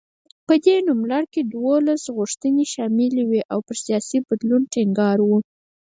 په دې نوملړ کې دولس غوښتنې شاملې وې او پر سیاسي بدلون ټینګار و.